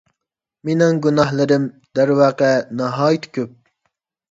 مېنىڭ گۇناھلىرىم، دەرۋەقە، ناھايىتى كۆپ.